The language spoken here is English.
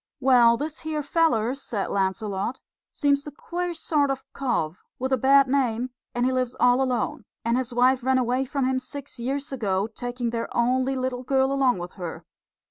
"Well, this here feller," said Lancelot, "seems a queer sort of cove, with a bad name, and he lives all alone; and his wife ran away from him six years ago, taking their only little girl along with her.